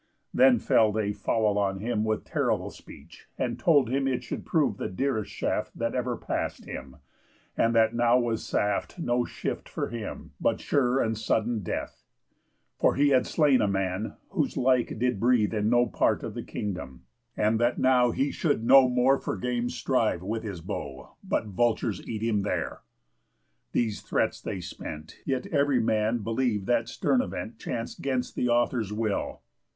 Then fell they foul on him with terrible speech, And told him it should prove the dearest shaft That ever pass'd him; and that now was saft No shift for him, but sure and sudden death; For he had slain a man, whose like did breathe In no part of the kingdom; and that now He should no more for games strive with his bow, But vultures eat him there. These threats they spent, Yet ev'ry man believ'd that stern event Chanc'd 'gainst the author's will.